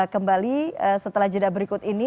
kembali setelah jeda berikut ini